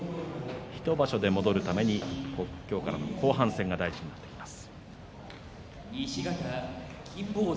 １場所で戻るために今日からの後半戦が大事になってきます。